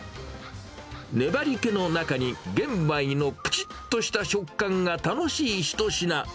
粘りけの中に、玄米のぷちっとした食感が楽しい一品。